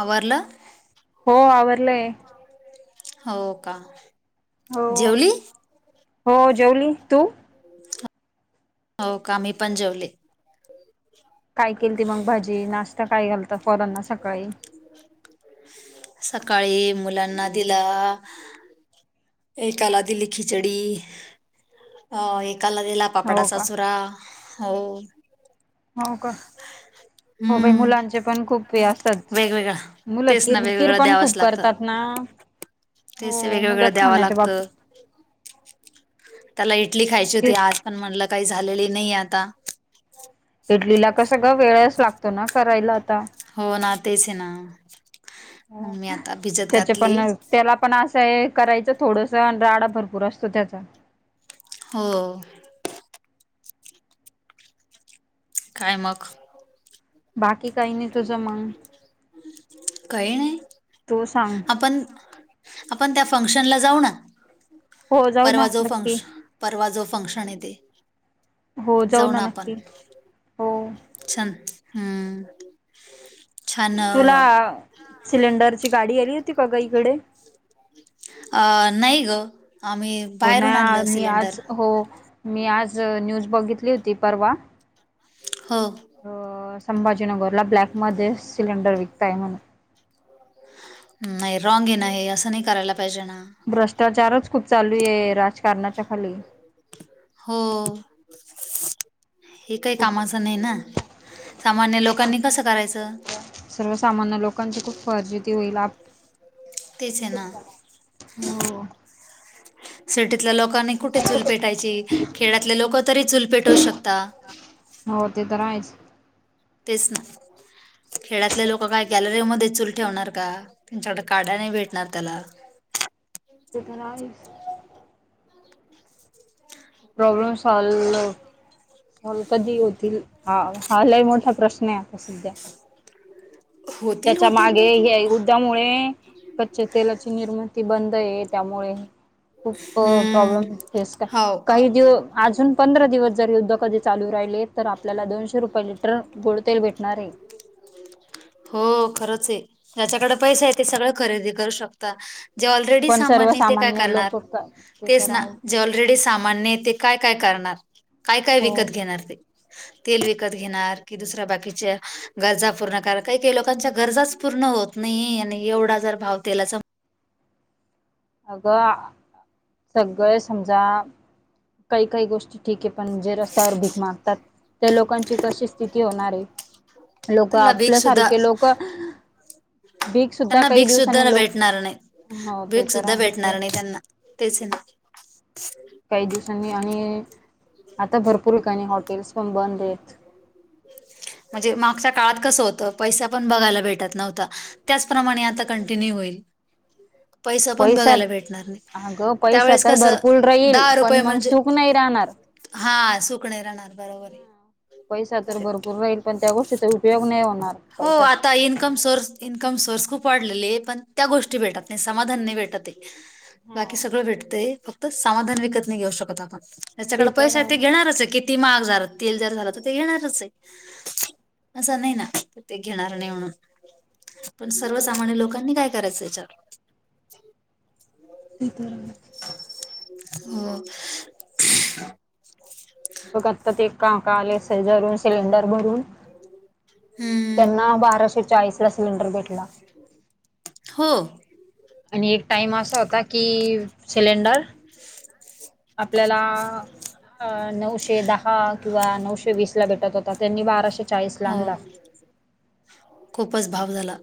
आवरलं. हो आवरलंय. हो का. हो जेवली. हो जेवली तू हो का मी पण जेवले. काय केलती मंग भाजी नाश्ता काय केलता पोरांना सकाळी. सकाळी मुलांना दिला एकाला दिली खिचडी अ एकाला दिला. हो पापडाचा का चुरा हो. हो का हो बाई हम्म मुलांचे पण खूप हे असतात. वेगवेगळा मुलं तेच ना किर वेगवेगळं किरपण द्यावंच खूप लागतं करतात ना. तेच हो मुलं वेगवेगळं द्यावं खाण्याच्या लागतं बाबतीत त्याला इडली खायची होती, किर आज पण म्हणलं काही झालेली नाही आता इडलीला कसं गं वेळच लागतो ना करायला आता हो ना तेच आहे ना अ मी आता भिजत त्याचे घातले. पण त्याला पण असं हे करायचं थोडसं राडा भरपूर असतो त्याचा. हो. काय मग. बाकी काही नाही तुझं मंग. काही नाही आपण आपण त्या फंक्शनला जाऊ ना. हो जाऊ ना परवा जो नक्की फंश परवा जो फंक्शन येतेे. हो जाऊन आलात की. छन हम्म छान अ सिलेंडर ची गाडी आली होती का गं इकडे अ नाही गं आम्ही हो ना बाहेरून आणलं मी सिलेंडर आज हो मी आज न्यूज बघितली होती परवा हो. अ संभाजीनगरला ब्लॅक मध्ये सिलेंडर विकताय म्हणून नाही रॉंग आहे ना हे असं नाही करायला पाहिजे ना. भ्रष्टाचारच खूप चालू आहे राजकारणाच्या खाली हो हे काही खूप कामाचं नाही ना. सामान्य लोकांनी कसं करायचं. सर्वसामान्य लोकांची खूप फजिती होईल आप तेच ये ना, हो सिटीतल्या लोकां कुठे चूल पेटायची, खेड्यातले लोकतरी चूल पेटवू शकता. हो ते तर आहेच. तेच ना, खेड्यातले लोक काय गॅलरीमध्ये चूल ठेवणार. का त्यांच्याकडे काड्या नाही भेटणार त्याला. ते पण आहेच. प्रॉब्लेम सॉल्व, सॉल्व कधी होतील, हा लय मोठा प्रश्नय आता सध्या. होतील तेच्या होतील मागे ह्या युध्दामुळे, कच्च्या तेलाची निर्म ती बंद ये त्यामुळे, खूप हम्म प्रॉब्लेम फेस हाव काही दिवस अजुन पंधरा दिवस जर युद्ध कधी चालू राहिले तर आपल्याला दोनशे रुपये लिटर, गोड तेल भेटणार ये. [inaudible] हो खरंच ये, ज्याच्याकडे पैसे येतं ते सगळं खरेदी करू शकता. जे ऑलरेडी पण सामान्य ते काय सर्वसामान्य करणार, लोक ते तेच तर ना आहेच जेव रीढे सामान्येते काय काय करणार, काय काय हो विकत घेणार ते? तेल विकत घेणार, की दुसरे बाकीचे. गरजा पूर्ण करणा काही काही लोकांच्या गरजाच पूर्ण होत नाही ये यांनी एवढा जर भाव तेलाचा अगं सगळे समजा, काही काही गोष्टी ठीक ये पण जे रस्त्यावर भीक मागतात, त्यालोकांची कशी स्थिती होणार ये. लोक त्याला भीक आपल्या सारखे सुद्धा लोक भीक सुद्धा त्यांना काही भीक सुद्धा दिवसांनी लोक भेटणार नाही, हो ते भीक तर सुद्धा आहेच आहे भेटणार नाही त्यांना. तेच ये ना. काही दिवसांनी आणि, आता भरपूर ठिकाणी हॉटेल्स पण बंद येतं. म्हणजे मागच्या काळात कस होत पैसा पण बघायला भेटत नव्हता. त्याचप्रमाणे आता कंटिन्यू होईल. पैसा पण बघायला भेटणार नाही, अगं पैसा त्यावेळेस तर कस भरपूर राहील दहा रुपये पण मग म्हणजे सुख नाही राहणार हा सुख नाही राहणार बरोबर ये. पैसा तर भरपूर राहील पण त्या गोष्टीचा उपयोग नाही होणार हो पैशाचा आता इन्कम सोर्स इन्कम सोर्स खूप वाढलेले येतं, पण त्या गोष्टी भेटत नाही समाधान नाही भेटतं ये. बाकी हा सगळं भेटतय फक्त समाधान विकत नाही घेऊ शकत आपण. ज्याच्याकडे पैसा ये ते घेणारचय किती महाग झाल तेल जर झालं तर, ते घेणारच ये, असं नाही ना तर ते घेणार नाही म्हणून. पण सर्वसामान्य लोकांनी काय करायचं ह्याच्यावर? ते तर हाय. हो बघ आता ते काका आले शेजारून सिलेंडर भरून, हम्म त्यांना बाराशे चाळीसला सिलेंडर भेटला. हो आणि एक टाइम असा होता की सिलेंडर आपल्याला अं नऊशे दहा किंवा नऊशे वीसला भेटत होता त्यांनी बाराशे चाळीस ला हो आणला खूपच भाव झाला,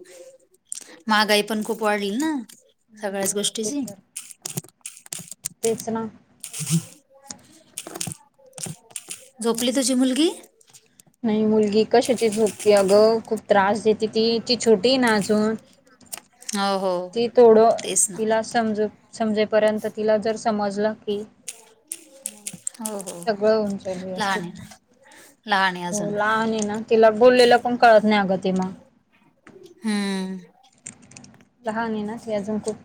महागाई पण खूप वाढली ना. हो सगळ्याच ते गोष्टीची तर, तेच ना. झोपली तुझी मुलगी? नाही मुलगी कशाची झोपती अगं, खूप त्रास देते ती ती छोटी आहे ना अजून हाव. ती थोड, तिला समज समजेपर्यंत तिला जर समजलं की हो, हो सगळं होऊन जाईल लहान व्यवस्थित आहे. लहान आहे हो अजून लहान आहे ना, तिला बोललेलं पण कळत नाही अगं ते मग. हम्म. लहान आहे ना. ते अजून खूप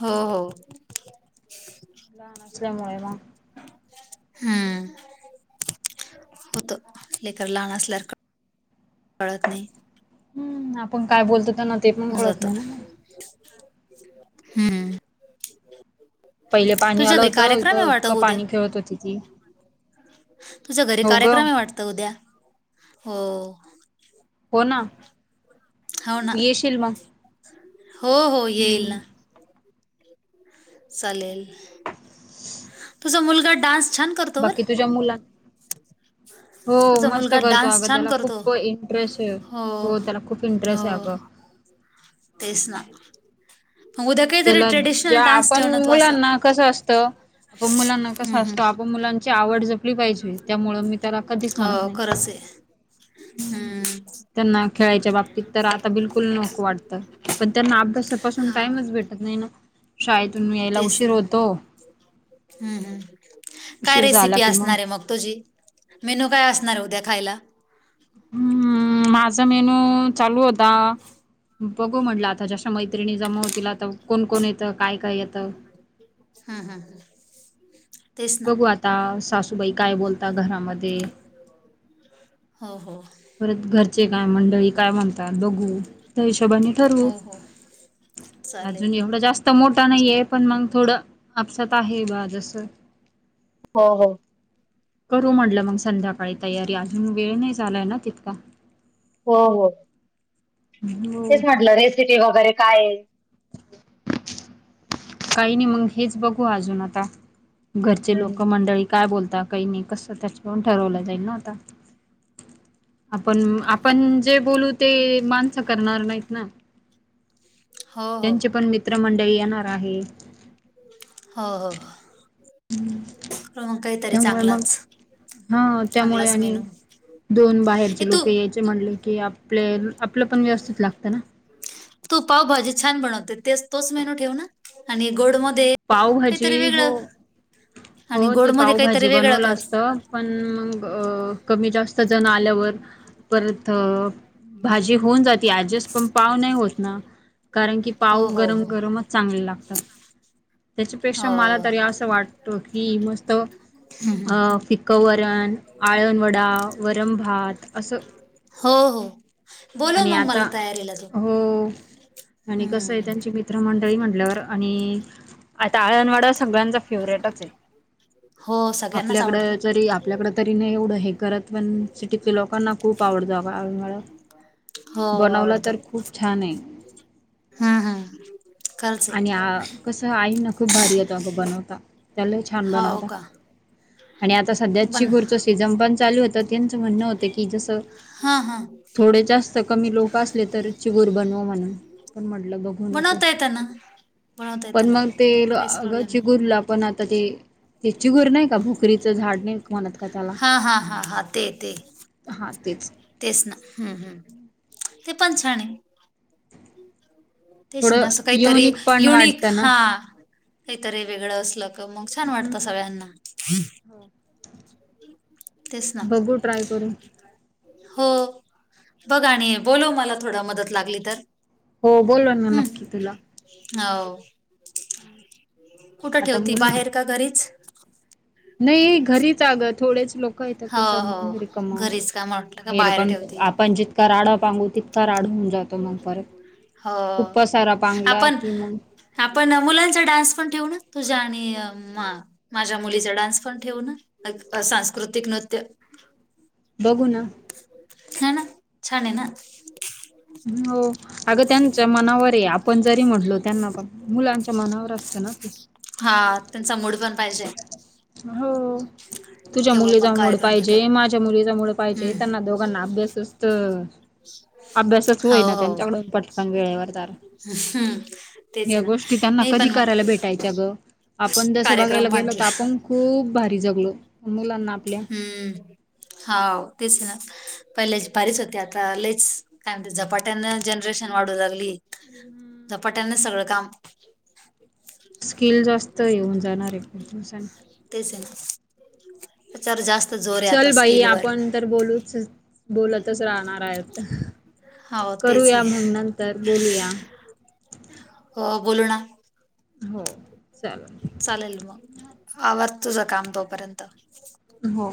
हो हो. लहान असल्यामुळे मग हम्म. होतं लेकरं लहान असल्यावर कळत नाही. हम्म, आपण काय बोलतो त्यांना ते पण होऊन कळत जात, नाही ना हम्म. पहिले पाणी तुझ्या आलं घरी होतं कार्यक्रम आहे इकं वाटत इतकं उद्या पाणी खेळत होती ती. तुझ्या घरी हो ग कार्यक्रम आहे वाटतं उद्या! हो. हो ना, हो ना येशील मग! हो हो येईल ना. चालेल. तसं मुलगा डान्स छान करतो बर बाकी तुझ्या मुला [inaudible] हो तुझा मस्त मुलगा करतो डान्स अगं छान त्याला करतो खूप इंटरेस्ट आहे. हो त्याला खूप इंटरेस्ट हो. आहे अगं तेच ना मग उद्या काहीतरी त्याला ट्रेडिशनल ज्या डान्स आपण ठेव ना तू असं मुलांना कस असत आपण मुलांना कसं हम्म हम्म असतो आपण मुलांची आवड जप ली पाहिजे त्यामुळं मी त्याला कधीच म्हणत हो नाही. खरंच आहे. हम्म त्यांना खेळायच्या बाबतीत तर आता बिलकुल नको वाटतं पण त्यांना अभ्यासापासून हाव टाईमच भेटत नाही ना शाळेतून मी यायला तेच उशीर ना होतो. हम्म हम्म, काय उशीर झाला रेसिपी की असणार आहे मग? तुझी! मेनू काय असणार उद्या खायला? हम्म माझा मेनू चालू होता. बघू म्हटलं आता जशा मैत्रिणी जमा होतील आता कोण कोण येतं, काय काय येतं. हां हां हां. बघू आता सासूबाई काय बोलता घरामध्ये. हो हो. परत घरचे काय मंडळी काय म्हणतात बघू त्या हिशोबाने ठरवू. हो हो. चालेल. अजून एवढं जास्त मोठा नाहीेये पण मग थोडं आपसात आहे बा जस. हो हो. करू म्हटलं मग संध्याकाळी अजून वेळ नाही झालाय ना तितका. होय होय. हो तेच म्हटलं रेसिपी वगैरे काय आहे! [inaudible] काही नाही मग हेच बघू अजून आता घरचे हम्म. लोक मंडळी काय बोलता? काही नाही. कसं? त्याच्याकून ठरवलं जाईल ना आता. आपण आपण जे बोलू ते माणसं करणार नाहीत ना. [unintelligible] हो हो त्यांचे पण मित्र मंडळी येणार आहे. हो हो. र काय. त्यामुळे मग. हा त्यामुळे चांगलाच आणि मेनू दोन ए बाहेरचे तू लोक यायचे म्हटलं की आपले आपलं पण व्यवस्थित लागतं ना. तू पावभाजी छान बनवते. ते तोच मेनू ठेव ना. आणि गोडमध्ये पावभाजी काहीतरी हो. वेगळं हो आणि ते गोडमध्ये पावभाजी काहीतरी वेगळं बनवलं कर. असत पण मग अ कमी जास्त जण आल्यावर परत भाजी होऊन जाते ऍडजस्ट. पण पाव नाही होत ना. कारण की पाव हो हो गरम हो गरमच चांगले लागतात. त्याच्यापेक्षा हो मला तरी असं वाटतं की मस्त हम्म. फिकवरण, आळणवडा, वरमभात असं. हो हो. बोलव आणि मग मला आता तयारीला त. हो आणि कसं आहे हम्म. त्यांची मित्रमंडळी म्हटल्यावर आणि आता आळणवाडा सगळ्यांचा फेवरेटच आहे. हो सगळ्यांनाच आपल्याकड आवडतो जरी आपल्याकडे तरी नाही एवढं हे करत. पण सिटील्या लोकांना खूप आवडतो आबा आळनवडा. हो बनवलं तर खूप छान आहे. हा हा. आणि कस आई ना खूप भारी येत अगं बनवता. त्याला लय छान हो बनवतात. का आणि आता सध्याची बन पुरश सीजन पण चालू होतं त्यांचं म्हणणं होतं की जसं हा हा. थोडे जास्त कमी लोक असले तर चिगूर बनव म्हणून पण म्हटलं बघू. नको. बनवता येत ना. बनवता पण येतं ना मग ते काहीच अग ची प्रॉब्लेम नाही चीगुरला पण आता ते चीगुर नाही का भोकरीचं झाड म्हणत का त्याला. हां हां हां हां ते ते हा तेच. तेच ना. हम् हम्म. ते पण छान आहे. तेच थोडं ना. असं काहीतरी युनिक पण युनिक. वाटतं ना हा. काहीतर हे वेगळं असल क मग छान वाटतं सगळ्यांना. तेच ना. बघू ट्राय करून हो. बघ आणि बोलो मला थोडं मदत लागली तर. हो बोललानार नक्की हम्म तुला. हो. कुठं आता ठेवती मुलं बाहेर का घरीच? नाही घरीच आगं थोडेच लोक हो कुठं हो म्ह घरीच का म्हटलं का रिकमर बाहेर पण ठेवती आपण जितका राडा पांगू त का रांडा होन जातो मग परत. हो खूप पसारा पागला आपण कि मग आपण मुलांचा डान्स पण ठेवू ना तुझ्या आणि मा माझ्या मुलीचा डान्स पण ठेवू नका. मग सांस्कृतिक नृत्य. बघू ना. हाय ना! छान आहे ना? हो! अगं त्यांच्या मनावर आहे. आपण जरी म्हटलो त्यांना, मुलांच्या मनावर असतं ना ते हा! त्यांचा मूड पण पाहिजे. हो! तुझ्या तेव्हा आपण मुलीचा मूड कार्यक्रम भेटू पाहिजे, माझ्या मुलीचा मूड पाहिजे, हम्म त्यांना दोघांना अभ्यास असत. अभ्यासच होय ना, हो हो त्यांच्याकडून पटकन वेळेवर तर हम्म तेच या आहे ना गोष्टी त्यांना नाही कधी पण मग करायला भेटायच्या गं? आपण तसं कार्यक्रम बघायला गेलो तर म्हटला आपण खूप भारी जगलो, मुलांना आपल्या हम्म! हाव तेच ना, पहिलेच भारीच होते. आता लयच काय म्हणते, झपाट्यान जनरेशन वाढू लागली. झपाट्यानच सगळं काम [inaudible] स्किल जास्त येऊन जाणार आहे. तेच ना! जरा जास्त जोर आहे आता चल बाई स्किलवर. आपण तर बोलूच, बोलतच राहणार आहेत. हो करू तेच या आहे मग नं तर बोलूया. हो, बोलू ना! हो, चालेल! चालेल मग, आवर तुझं काम तोपर्यंत हो!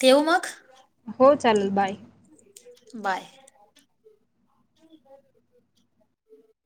ठेवू मग? हो चालेल बाय! बाय!